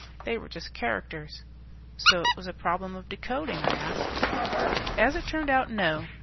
They were just characters." "So it was a problem of decoding?" I asked. "As it turned out, no.